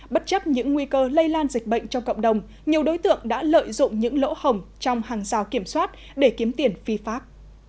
bất chấp những nguy cơ lây lan dịch bệnh trong cộng đồng nhiều đối tượng đã lợi dụng những lỗ hồng trong hàng rào kiểm soát để kiếm tiền phi pháp